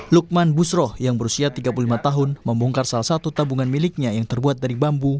lukman busroh yang berusia tiga puluh lima tahun membongkar salah satu tabungan miliknya yang terbuat dari bambu